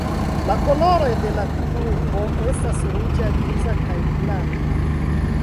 La koloroj de la klubo estas ruĝa, griza, kaj blanka.